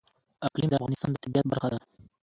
اقلیم د افغانستان د طبیعت برخه ده.